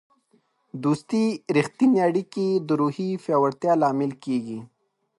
د دوستی رښتیني اړیکې د روحیې پیاوړتیا لامل کیږي.